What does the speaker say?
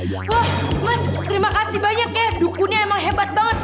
wah mas terima kasih banyak ya dukunnya emang hebat banget